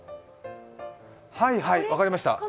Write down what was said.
はい、はい、分かりました。